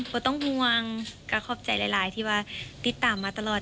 ก็ต้องวังทำให้ขอบใจหลายที่จะติดตามมาตลอด